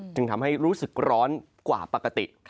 จึงทำให้รู้สึกร้อนกว่าปกติ